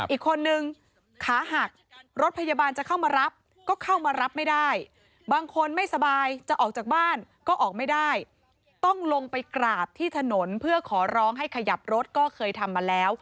อีกคนนึงขาหักรถพยาบาลจะเข้ามารับก็เข้ามารับไม่ได้บางคนไม่สบายจะออกจากบ้านก็ออกไม่ได้ต้องลงไปกราบที่ถนนเพื่อขอร้องให้ขยับรถก็เคยทำมาแล้ว